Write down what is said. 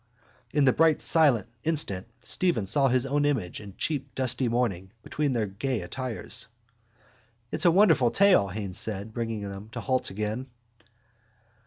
In the bright silent instant Stephen saw his own image in cheap dusty mourning between their gay attires. —It's a wonderful tale, Haines said, bringing them to halt again.